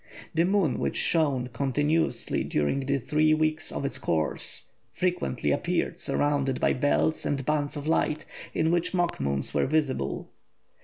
The moon, which shone continuously during the three weeks of its course, frequently appeared surrounded by belts and bands of light, in which mock moons were visible.